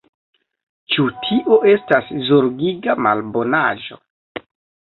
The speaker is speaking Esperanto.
Ĉu tio estas zorgiga malbonaĵo?